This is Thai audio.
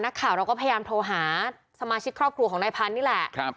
นักข่าวเราก็พยายามโทรหาสมาชิกครอบครัวของนายพันธุ์นี่แหละ